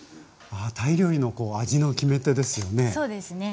ああタイ料理の味の決め手ですよね。